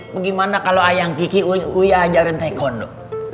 bagaimana kalau ayang kiki uya ajarin tewondo